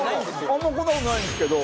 あんまこんな事ないんですけど。